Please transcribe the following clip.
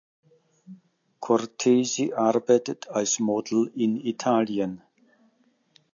Cortesi arbeitet als Model in Italien.